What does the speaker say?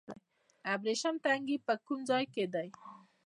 د ابریشم تنګی په کوم ځای کې دی؟